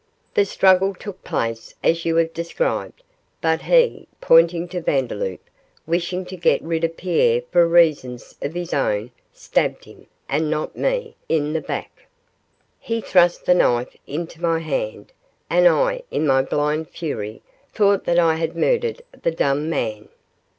The struggle took place as you have described, but he,' pointing to Vandeloup, 'wishing to get rid of Pierre for reasons of his own stabbed him, and not me, in the back. He thrust the knife into my hand, and I, in my blind fury, thought that I had murdered the dumb man.